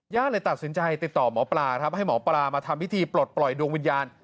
เลยตัดสินใจติดต่อหมอปลาครับให้หมอปลามาทำพิธีปลดปล่อยดวงวิญญาณ